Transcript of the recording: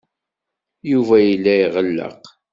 Yuba yella iɣelleq.